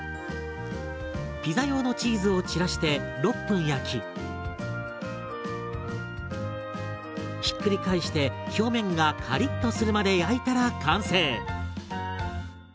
ピザ用のチーズをちらして６分焼きひっくり返して表面がカリッとするまで焼いたら完成。